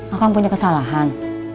kang bahar punya kesalahan